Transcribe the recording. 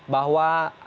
bahwa apapun itu